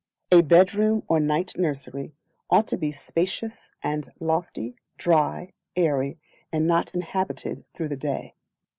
A Bedroom or Night Nursery ought to be spacious and lofty, dry, airy, and not inhabited through the day.